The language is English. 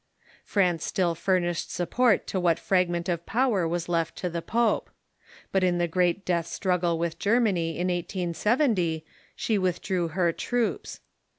France still furnished support to what fra" ment of power was left to the pope. But in the great death struggle with Germany in 1870 she withdrew her troops.